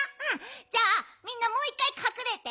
じゃあみんなもういっかいかくれて。